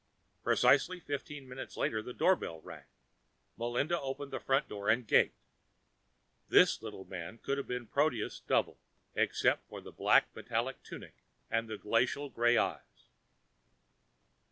Precisely fifteen minutes later, the doorbell rang. Melinda opened the front door and gaped. This little man could have been Porteous's double, except for the black metallic tunic, the glacial gray eyes.